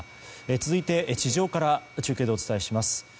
続いて、地上から中継でお伝えします。